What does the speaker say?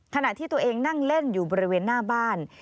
ขณะที่ตัวเองนั่งเล่นอยู่บริเวณหน้าบ้าน